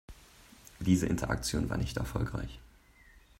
Diese Interaktion war nicht erfolgreich.